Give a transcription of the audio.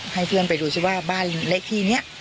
ให้เพื่อนไปดูซิว่าบ้านเลขที่นี้